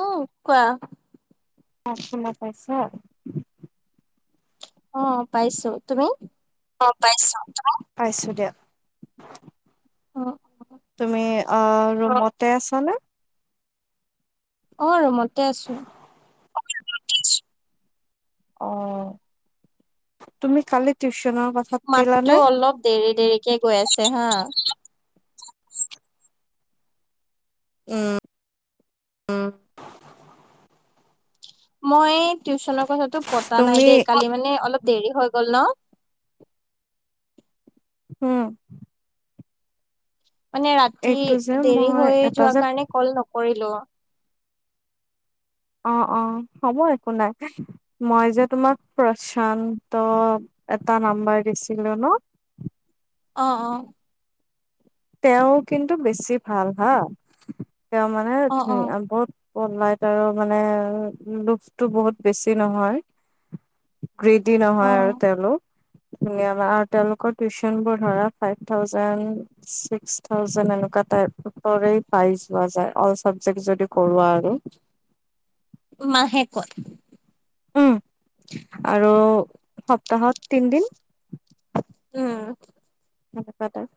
উ, কোৱা। মাত শুনা পাইছা। অ', পাইছো তুমি। অ', পাইছো, পাইছো দিয়া। অ ', অ',। তুমি ৰুমতে আছা নে? অ ৰমতে আছো। [unintelligible] অ, তুমি কালি টিউচন মাতটো অলপ দেৰি দেৰিকে গৈ আছে হা। উম, উম। মই টিউশচনৰ কথাাতটো পতা নাই তুমি দেই কালি মানে অলপ দেৰি হৈ গ'ল ন। হম। মানে ৰাতি যে দেৰি মই হৈ এটা যোৱা যে কাৰণে কল নকৰিলো। অৱ অৱ হ'ব একো নাই। মই যে তোমাক প্ৰশান্ত এটা নাম্বাৰ দিছিলো ন অৱ অৱ। তেওঁ কিন্তু বেছি ভাল হা, তেওঁ মানে অ ধ অ বহুত কনভাৰ্টাৰ অ মানে লোভটো বহুত বেছি নহয়। গ্ৰীডি অ নহয় আৰু তেওঁলোক। [unintelligible] তেওঁলোকৰ টিউচন বোৰ ধৰা ফাইভ থাউজেনড ছিক্স থাউজেড এনেকুৱা টাইৰে পাইোৱা যায় অল চাবজেক্ট যদি কৰোৱা আৰু [unintelligible] মাহেকত। উম, আৰু সপ্তাহত তিনদিন। উম। [unintelligible]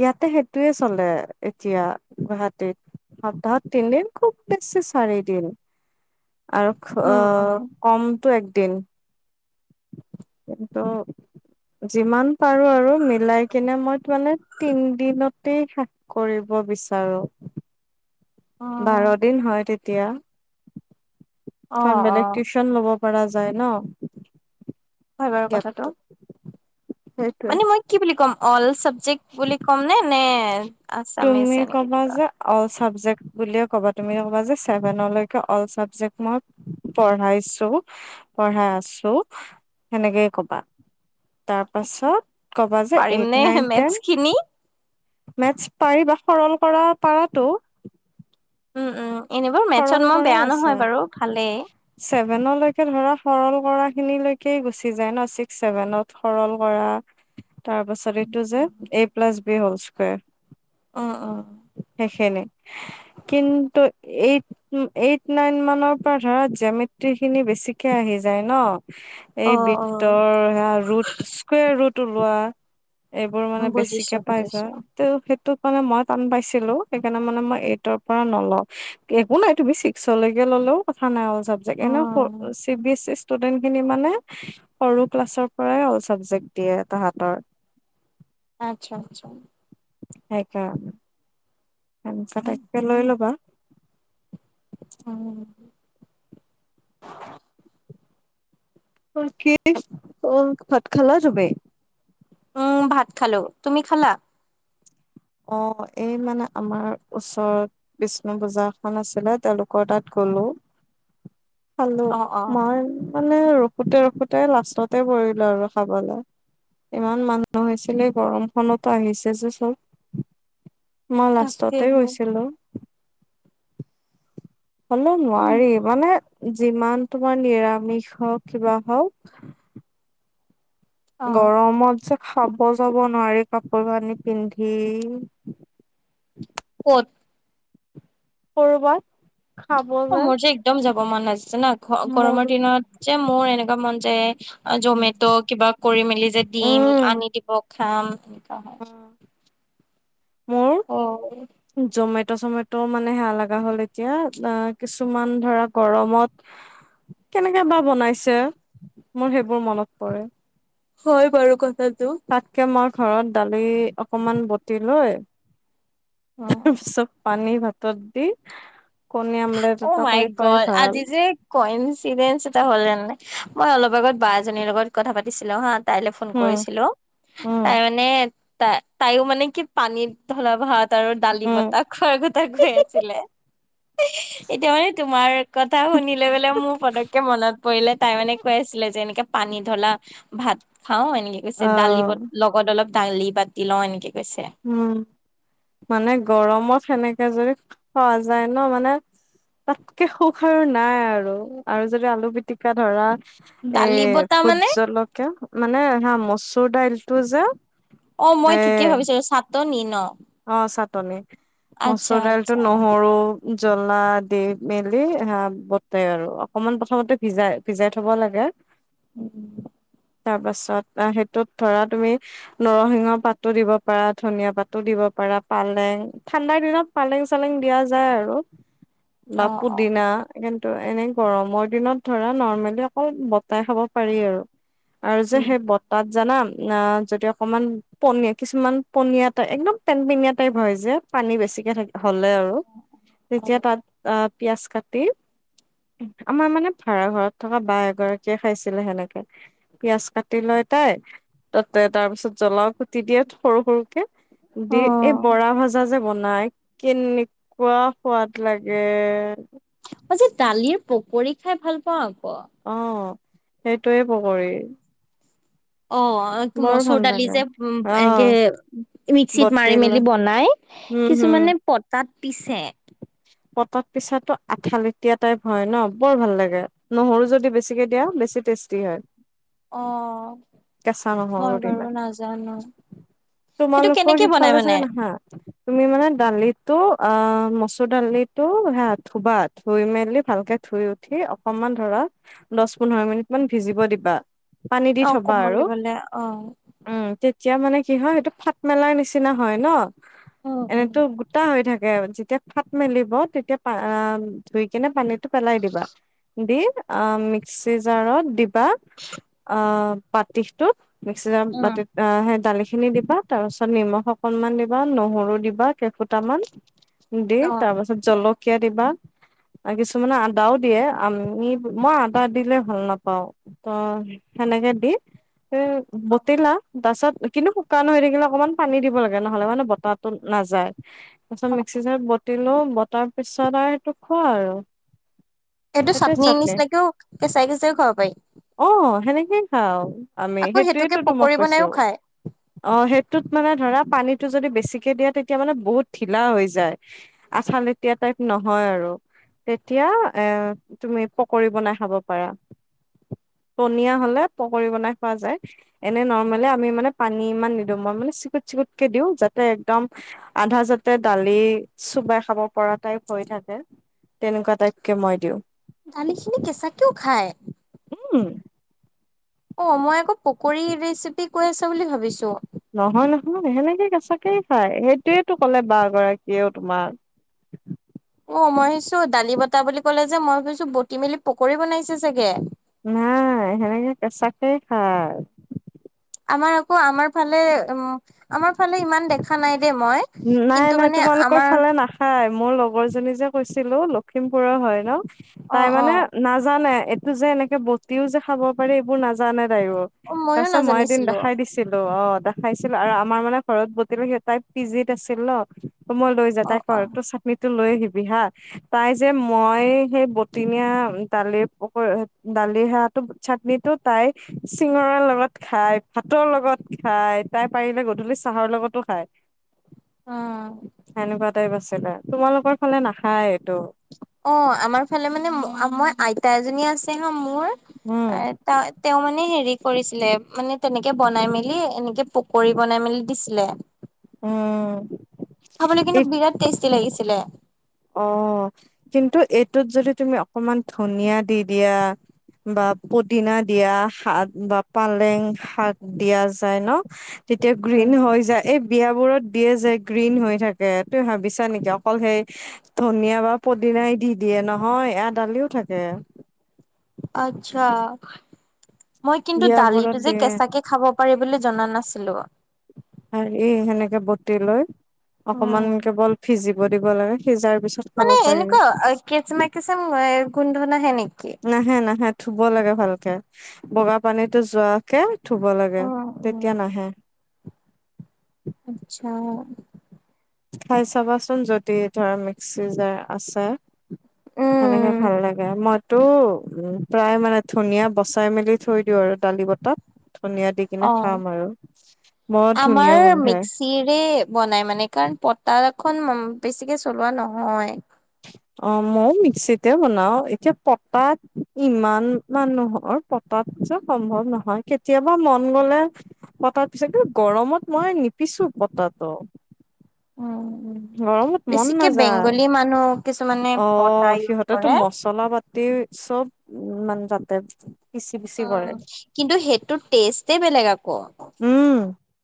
ইয়াতে সেইটোয়ে চলে এতিয়া গুৱাহাটীত। সপ্তাহত তিনিদিন খুব বেছি চাৰিদিন। আৰু উম উম অ' কমটো এক দিন, কিন্তু যিমান পাৰো আৰু মিলাই কিনে মই মানে তিন দিনত তে শেষ কৰিব বিচাৰোঁ। অ বাৰ দিন হয় তেতিয়া, অ কাৰণ অ বেলেগ টিউচন ল'ব। পৰা যায় ন। হয় বাৰু কথাটো। গেপটো সেইটোৱে। মানে মই কি বুলি কম, অল চাবজেক বুলি কম নে। নে আছামিজ তুমি এনেকে কবা কিবা যে অল চাবজেক। বুলিয়ে ক'বা, তুমি ক'বা যে ছেভেনলেকে অল চাবজেক মই পঢ়াইছো, পঢ়াই আছো সেনেকেই ক'বা। তাৰ পাছত ক'বা যে পাৰিম এইট, নে নাইন, টেন। মেথছ খিনি মেটথছ পাৰি বা সৰল কৰা পাৰাটো। উম, উম, এনেবোৰ মেথছত সৰল মই কৰাই বেয়া আছে। নহয় বাৰু ভালেই। ছেভেনলৈকে ধৰা, সৰল কৰা খিনিলৈকে গুচি যায় ন, ছিক্স ছেভেনত সৰল কৰা। তাৰ পাছত এইটো যে এ প্লাছ বি হ'ল স্কাৰ অ অ সেইখনে কিন্তু এইট এইট নাইন মানৰ পৰা ধৰা মেট্ৰী খিনি বেছিকে আহি যায় ন? এই অ', বিতৰ সেয়া ৰুট স্কাৰ ৰুট ওলোৱা এইবোৰ মানে অ', বুজিছো বেছিকে পাই যোৱা বুজিছো তে সেইটোক মানে মই টান পাইছো সেইকাৰণে মানে মই এইটৰ পৰা নলোওঁ একো নাই তুমি ছিক্সলৈকে ললেও কথা নাইল উম। [unintelligible] ষ্টুডেণ্ট খিনি মানে সৰু ক্লাছৰ পৰাই অল চাবজেক্ট দিয়ে তাহাতৰ [unintelligible] আচ্ছা, আচ্ছা। সেইকাৰণে [unintelligible] লৈ ল'বা। উম। [unintelligible] অ', ভাত খালা তুমি? উম, ভাত খালোঁ, তুমি খালা? অ', এই মানে আমাৰ ওচৰত বিষ্ণুপূজা এখন আছিলে, তেওঁলোকৰ তাত হেল্ল', হেল্ল'! অ', অ', [unintelligible] মানে ৰখোতে, ৰখোতে লাষ্টতে পৰিলোঁ আৰু খাবলে। ইমান মানুহ হৈছিলে, গৰমখনতো আহিছে যে, চব। মই লাষ্টতে তাকেহে গৈছিলোঁ। হ'লেও নোৱাৰি মানে যিমান তোমাৰ নিৰামিষ হওঁক, কিবা হওঁক অ', গৰমত যে, খাব যাব নোৱাৰি, কাপোৰ কানি পিন্ধি ক'ত? কৰ'বাত অ', খাবলে মোৰ যে, একদম যাব মন [unintelligible] মোৰ গৰমৰ দিনত যে, মোৰ এনেকুৱা মন যায় উম, জমেট' কিবা কৰি মেলি যে, দিম উম, আনি দিব, খাম। হয়। [inaudible] মোৰ, অ', জমেট চমেত' মানে সেয়া লগা হ'ল এতিয়া আ, কিছুমান ধৰা গৰমত কেনেকে বা বনাইছে? মোৰ সেইবোৰ মনত পৰে। হয়, বাৰু কথা তাতকে মই ঘৰত দালি অকমান বটি লৈ অ'। তাৰপিছত পানী ভাতৰ দি কণী আমলেট অ', এটা মাই কৰি গ খোৱাই ভাল আজি যে, ক'ইঞ্চিদেচ এটা হ'ল জানানে মই অলপ আগত বা এজনীৰ লগত কথা পাতিছিলোঁ হা তাইলৈ ফোন উম কৰিছিলোঁ, উম তাই মানে তা-তাইও মানে কি পানীত ধলা ভাত আৰু দালি উম বটা খোৱাৰ কথা কৈ আছিলে। এতিয়া মানে তোমাৰ কথা শুনিলৈ পেলাই মোৰ পতককে মনত পৰিলে তাই মানে কৈ আছিলে যে এনেকে পানী ধলা ভাত খাওঁ, এনেকে কৈছে অ দালি ব-লগত অলপ দালি বাতি লওঁ এনেকে কৈছে উম, মানে গৰমত সেনেকে যদি খোৱা যায় ন! মানে তাতকে সুখ আৰু নাই আৰু, আৰু যদি আলু পিটিকা ধৰা এ, দালি বতা ভূত মানে জলকীয়া মানে হা, মচুৰ দাইলটো যে অ', এ মই ঠিকেই ভাবিছোঁ চাটনি ন'? অ', চাটনি, আচ্ছা মচুৰ দাইলটো আচ্ছা নহৰু জ্বলা দি মেলি হা, বটে আৰু অকনমান প্ৰথমতে ভিজাই, ভিজাই থ'ব লাগে। উম, উম। তাৰ পাছত অ', সেইটোত ধৰা তুমি নৰসিংহ পাতো দিব পাৰা, ধনিয়া পাতো দিব পাৰা পালেং ঠাণ্ডাৰ দিনত পালেং, চালেং দিয়া যায় আৰু। বা অ', অ', পুদিনা ত' এনেই গৰমৰ দিনত ধৰা নৰ্মেলি অকল বটা খাব পাৰি আৰু আৰু যে, উম, সেই বটাত জানা না যদি অকমান পনী-কিছুমান, পনীয়া এটা একদম পেনপেনীয়া টাইপ হয়, যে, পানী বেছিকে থা-হ'লে আৰু তেতিয়া অ', তাত আ পিঁয়াজ কাটি আমাৰ মানে ভাড়া ঘৰত থকা বা এগৰাকীয়ে খাইছিলে সেনেকে পিয়াজ কাটি লৈ টাই তাতে তাৰ পিছত জ্বলাও তি দিয়াত সৰু সৰুকে দি এই বৰা ভজা যে বনাই কেনেকুৱা সোৱাদ লাগে। মইজি দালিৰ পকৰি খাই ভাল পাওঁ। অ', সেইটোৱে পকৰী অ', বৰ ভাল মচুৰ দালি লাগে যে উ অ এনেকে মিক্সিত মাৰি বটিল মেলি বনাই উম হম কিছুমানে পতাত পিছে পটাত পিছাটো আঠালেতিয়া টাইপ হয় ন বৰ ভাল লাগে নহৰু যদি বেছিকে দিয়া বেছি টেষ্টি হয়। অ', কেঁচা মই নহৰু দিলে বাৰু নাজানো। সেইটো তোমালোকৰ কেনেকে বনাই সিফালে মানে? চাগে নাহা তুমি মানে দালিতো অ', মচ দালিটো ধুৱা ধুই মেলি ভালকৈ ধুই উঠি অকণমান ধৰা পোন্ধৰ মিনিট মান ভিজিব দিবা পানী দি অ', থবা আৰু কোমলিবলে অ'। উম এতিয়া মানে কি হয় সেইটো ফাট মেলাৰ নিচিনা হয় ন উম, উম, এনেতো গোটা হৈ থাকে যেতিয়া ফাট মেলিব তেতিয়া প ধুই কিনে পানীটো পেলাই দিবা। দি অ', মিক্সি জাৰত দিব অ', পতিটো মিক্সিত অ', পতিত সেই দালি খিনি দিবা তাৰ পিছত নিমখ অকনমান দিবা নহৰু দিবা কেইফুটামান দি অ', অ তাৰ পাছত জলকীয়া দিবা কিছুমানে আদাও দিয়ে আমি মই আদা দিলে ভাল নাপাও ত সেনেকে দি এ বতিলা তাৰছত কিন্তু শুকান হৈ থাকিলে অকনমান পানী দিব লাগে নহলে মানে বতাহো নাযায় তাৰ পিছত বতিলো বতাৰ পিছত আৰু সেইটো খোৱা আৰু। এইটো চাটনি নিচিনাকেও কেঁচাই কেঁচাইও খাব পাৰি। খাও আমি আকৌ সেইটোকে সেইটোয়েতো তোমাক পকৰী কৈছো বনাইও খায়। অ', সেই ত মানে ধৰা পানীতো যদি বেছিক কে দিয়া তেতিয়া মানে বহুত ঢিলা হৈ যায় য আচাল এতিয়া টাইপ নহয় আৰু তেতিয়া এ তুমি পকৰি বনাই খাব পাৰা পনিয় হলে পকৰী বনাই খোৱা যায় এনে নৰ্মেললে আমি মানে পানী ইমান নিদো মই মানে চ ব [unintelligible] চুবাই খাব পৰা টাইপ হৈ থাকে তেনেকুৱা টাইপ কে মই দিওঁ। দালিখিনি কেঁচাকেও খায় উম, অ', মই আকৌ পকৰী ৰেচিপি কৈ আছ বুলি ভাবিছো। নহয়, নহয় সেনেকে কেঁচাকেই খাই সেইটোয়েইো কলে বা গৰাকীয়েও তোমাক। [inaudible] অ', মই ভাবিছো দালি বটাহ বুলি ক'লে যে মই ভাবিছো বটি মেলি পকৰী বনাইছে চাগে নাই সেনেকে কেচাকে খায়। আমাৰ আকৌ আমাৰ ফালে উ আমাৰ ফালে ইমান দেখা নাই দেই মই নাই, কিন্তু নাই মানে তোমালোকৰ আমাৰ ফালে নাখায় মই লগ লগৰজনী যে কৈছিলো লখিমপুৰৰ হয় ন অ তাই অ মানে নাজানে এইটো যে এনেকে বটিও যে খাব পাৰে এইবোৰ নাজানে য অ মইয়ো তাৰপিছত মই এদিন নাজানিছিলো দেখাই দিছিলো অ', দেখাইছিল আৰু আমাৰ মানে ঘৰত বটল সেই তাই পিজিত আছিল ন। ত মই লৈ যা অ তাই অ কৰ তোৰ চাটনি তো লৈ আহিবি হা। তাই যে মই সেই বটিনীয়া দালিৰ পক দালিৰ সেৱটো চা চাটনো তাই চিঙৰা লগত খাই ভাতৰ লগত খাই তাই পাৰিলে গধূলি চাহ ঘহৰ লগতো খায়। সেনেকুৱা অ', আছিলে তোমালোকৰ ফালে নাখায় এইটো। অ আমাৰ ফালে মানে ম মই আইতা এজনী আছে মোৰ উম ত তেওঁ মানে হেৰি কৰিছিল ছিলে মানে তেনেকে বনাই মেলি এনেকে পকৰি বনাই মেলি দিছিলে। উম, খাবলে কিন্তু বিৰাট টেষ্টি লাগিছিলে! অঁ কিন্তু এইটোত যদি তুমি অকমান ধনিয়া দি দিয়া বা পদিনা দিয়া শাক বা পালেং শাক দিয়া যায় ন তেতিয়া গ্ৰীণ হৈ যায় এই বিয়াবোৰত দিয়ে যে গ্ৰীণ হৈ থাকে তই ভাবিছা নেকি অকল সেই ধনিয়া বা পদিনাই দি দিয়ে নহয় এয়াদালিও থাকে। আচ্ছা মই কিন্তু বিয়াবোৰত দালিটো যে দিয়ে কেঁচাকে খাব পাৰি বুলি জনা নাছিলো। হাৰি সেনেকে বটি লৈ অকমান উম। কেৱল সিজিব দিব লাগে সিজাৰ পিছত খাব মানে পাৰি এনেকুৱা অ কেচেমা কচেচম এ গোন্ধ নাহে নেকি? নাহে নাহে ধুব লাগে ভালকে, বগা পানীতো যোৱাকে ধুব লাগে উম উম। তেতিয়া নাহে। আচ্ছা। খায় চাবাচোন যদি ধৰা মিক্সি যাৰ আছে। ভে উম। ভাল লাগে ম। তটো উ প্ৰায় মানে ধুনীয়া বচাই মেলি থৈ দিওঁ আৰু। দালি বটাত ধনিয় দি কিনে খাম অ'। আৰু বৰ আমাৰ ধুনীয়া গোন্ধাই। মিক্সিৰে বনাই মানে কাৰণ পতাখন বেছিকে চলোৱা নহয়। অ মই মিক্সিতে বনাও এতিয়া পটাত ইমান মানুহৰ। তাত চ সম্ভৱ নহয় কেতিয়াবা মন গলে হতৎ পিছ কিন্তু গৰমত মই নিপিছ। কিছু পতত। উম উম। গৰমত মন বেছিকে নাযায় বেংগলী মানুহ কিছুমানে অ পতা ইউজ সিহঁতেতো কৰে। মচলা পাতি। চব মন যতে। কিন্তু সেইটো টেষ্টেই বেলেগ আকৌ। উম।